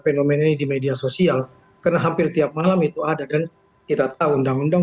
fenomena di media sosial karena hampir tiap malam itu ada dan kita tahu undang undang